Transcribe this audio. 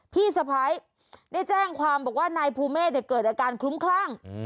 พี่สะพ้ายได้แจ้งความบอกว่านายภูเมฆเกิดอาการคลุ้มคลั่ง